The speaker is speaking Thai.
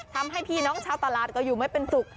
พี่น้องชาวตลาดก็อยู่ไม่เป็นสุข